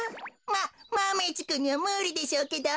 まっマメ１くんにはむりでしょうけど。